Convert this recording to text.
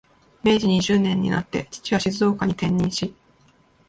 明治二十年になって、父は静岡に転任し、